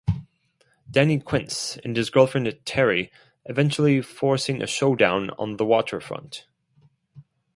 Danny Quintz, and his girlfriend Terry, eventually forcing a showdown on the waterfront.